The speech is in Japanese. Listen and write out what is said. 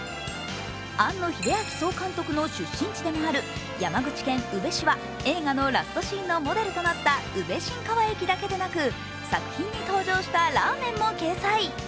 庵野秀明総監督の出身地でもある山口県宇部市は映画のラストシーンのモデルとなった宇部新川駅だけではなく、作品に登場したラーメンも掲載。